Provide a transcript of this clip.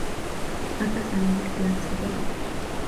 أتى سامي لإقلال صديقته.